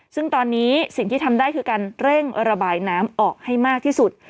ซึ่งตอนนี้สิ่งที่ทำได้คือการเร่งระบายน้ำออกให้มากที่สุด